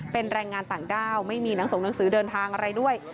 เป็นแรงงานต่างด้าวไม่มีหนังส่งหนังสือเดินทางอะไรด้วย